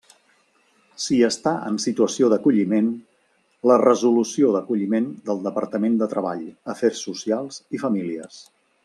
Si està en situació d'acolliment, la resolució d'acolliment del Departament de Treball, Afers Socials i Famílies.